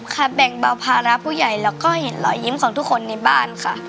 แบ่งเบาภาระผู้ใหญ่แล้วก็เห็นรอยยิ้มของทุกคนในบ้านค่ะ